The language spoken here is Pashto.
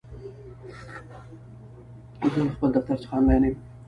زه له خپل دفتر څخه آنلاین یم!